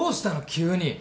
急に。